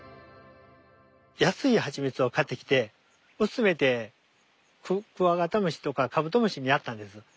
安いハチミツを買ってきて薄めてクワガタムシとかカブトムシにやったんです。